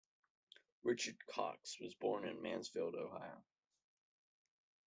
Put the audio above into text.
Richard Cox was born in Mansfield, Ohio.